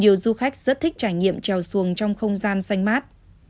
nhiều du khách rất thích trải nghiệm trèo xuồng trong không gian xanh mát